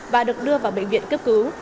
và được đưa vào bệnh viện cấp cứu